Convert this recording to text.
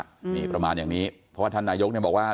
นี่ประมาณอย่างนี้เพราะว่าท่านนายกเนี่ยบอกว่า